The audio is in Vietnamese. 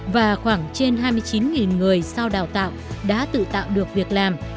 và khoảng trên hai mươi chín người sau đào tạo đã tự tạo được việc làm